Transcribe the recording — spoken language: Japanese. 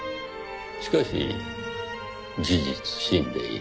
しかし事実死んでいる。